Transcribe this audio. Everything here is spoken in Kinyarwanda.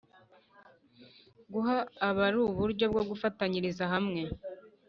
Guha abari uburyo bwo gufatanyiriza hamwe